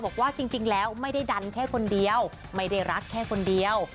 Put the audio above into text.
บอกว่าจริงแล้วไม่ได้ดันแค่คนเดียวไม่ได้รักแค่คนเดียว